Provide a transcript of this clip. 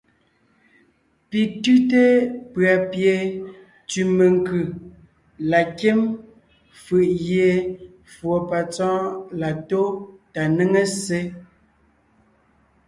Pi tʉ́te pʉ̀a pie ntsẅì menkʉ̀ la kím fʉʼ gie fùɔ patsɔ́ɔn la tó tà néŋe ssé.